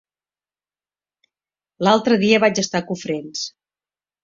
L'altre dia vaig estar a Cofrents.